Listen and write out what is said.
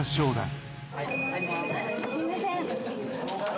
すいません。